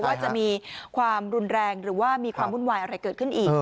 ว่าจะมีความรุนแรงหรือว่ามีความวุ่นวายอะไรเกิดขึ้นอีก